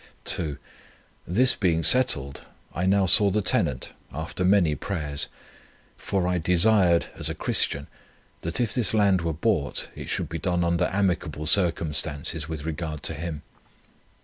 2. This being settled, I now saw the tenant, after many prayers; for I desired, as a Christian, that if this land were bought, it should be done under amicable circumstances with regard to him.